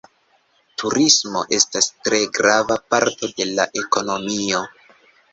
Turismo estas tre grava parto de la ekonomio.